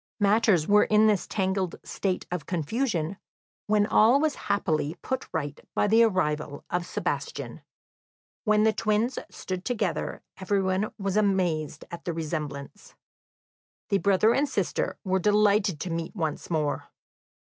Matters were in this tangled state of confusion, when all was happily put right by the arrival of Sebastian. When the twins stood together everyone was amazed at the resemblance. The brother and sister were delighted to meet once more.